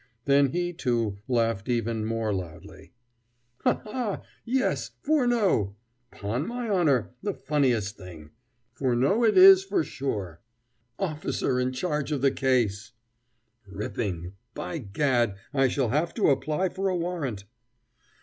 Then he, too, laughed even more loudly. "Ha! ha! yes, Furneaux! 'Pon my honor, the funniest thing! Furneaux it is for sure!" "Officer in charge of the case!" "Ripping! By gad, I shall have to apply for a warrant!"